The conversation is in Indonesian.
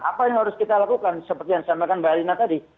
apa yang harus kita lakukan seperti yang saya sampaikan mbak irina tadi